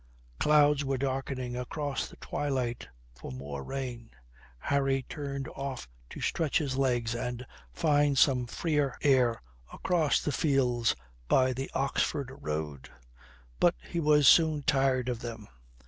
Clouds were darkening across the twilight for more rain. Harry turned off to stretch his legs and find some freer air across the fields by the Oxford road. But he was soon tired of them.